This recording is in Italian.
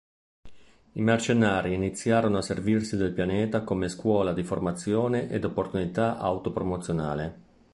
I mercenari iniziarono a servirsi del pianeta come scuola di formazione ed opportunità auto-promozionale.